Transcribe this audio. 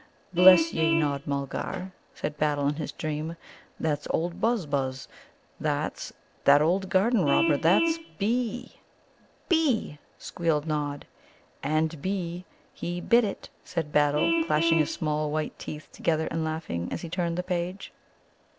"Bless ye, Nod Mulgar," said Battle in his dream, "that's old Buzz buzz; that's that old garden robber that's 'B.'" "'B,'" squealed Nod. "And 'B' he bit it," said Battle, clashing his small white teeth together and laughing, as he turned the page.